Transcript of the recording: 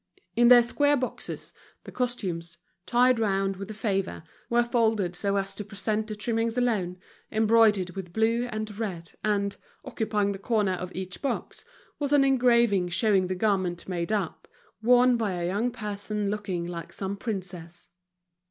In their square boxes, the costumes, tied round with a favor, were folded so as to present the trimmings alone, embroidered with blue and red; and, occupying the corner of each box, was an engraving showing the garment made up, worn by a young person looking like some princess.